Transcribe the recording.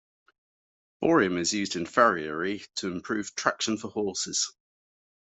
Borium is used in farriery to improve traction for horses.